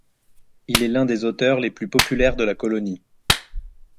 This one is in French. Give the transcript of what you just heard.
Il est l'un des auteurs les plus populaires de la colonie.